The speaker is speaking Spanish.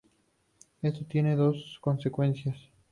Esto tiene dos consecuencias.